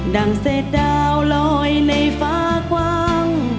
ั่งเศษดาวลอยในฟ้ากว้าง